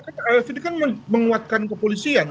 karena itu menguatkan kepentingan